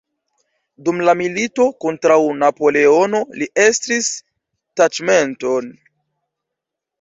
Dum la milito kontraŭ Napoleono li estris taĉmenton.